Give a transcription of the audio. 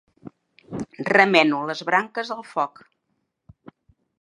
Remeno les branques al foc.